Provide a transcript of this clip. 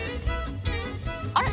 あれ？